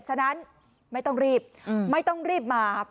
ฉะนั้นไม่ต้องรีบไม่ต้องรีบมา